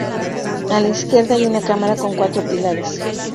A la izquierda hay una cámara con cuatro pilares.